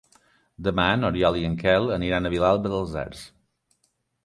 Demà n'Oriol i en Quel aniran a Vilalba dels Arcs.